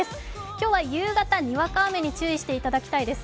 今日は夕方にわか雨に注意していただきたいです。